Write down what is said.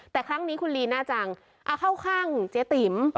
แต่ครั้งนี้คุณลีน่าจังเข้าข้างเจ๊ติ๋ม